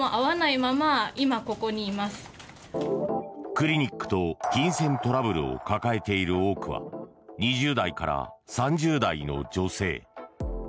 クリニックと金銭トラブルを抱えている多くは２０代から３０代の女性。